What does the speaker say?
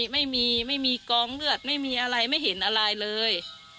ไม่มีไม่มีกองเลือดไม่มีอะไรไม่เห็นอะไรเลย